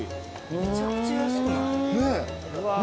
めちゃくちゃ安くない？ねえ。